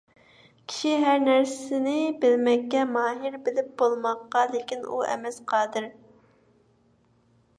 كىشى ھەر نەرسىنى بىلمەككە ماھىر. بىلىپ بولماققا لىكىن ئۇ ئەمەس قادىر.